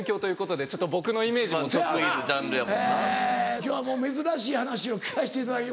今日はもう珍しい話を聞かせていただきます。